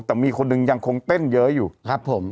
แต่มีคนหนึ่งยังคงเต้นเยอะอยู่ครับผม